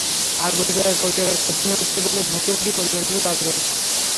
আগুনে প্রায় কোটি টাকার ক্ষতি হয়েছে বলে ভুক্তভোগী পরিবারগুলো দাবি করেছে।